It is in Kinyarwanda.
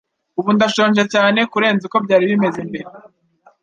Ubu ndashonje cyane kurenza uko byari bimeze mbere.